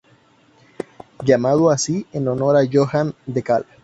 Llamado así en honor de Johan DeKalb.